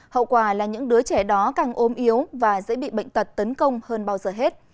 hậu quả là những đứa trẻ đó càng ôm yếu và dễ bị bệnh tật tấn công hơn bao giờ hết